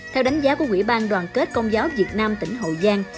theo đánh giá của quỹ ban đoàn kết công giáo việt nam tỉnh hậu giang